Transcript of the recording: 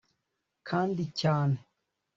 kandi cyane